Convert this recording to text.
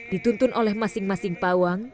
dituntun oleh masing masing pawang